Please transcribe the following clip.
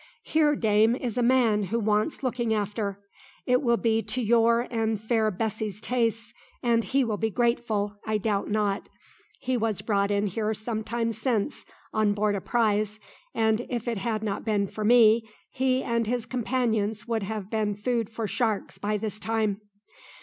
"Here, dame, is a man who wants looking after. It will be to your and fair Bessy's taste, and he will be grateful I doubt not. He was brought in here some time since on board a prize, and if it had not been for me, he and his companions would have been food for sharks by this time."